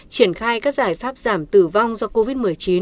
triển khai các giải pháp giảm tử vong do covid một mươi chín